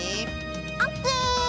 オッケー！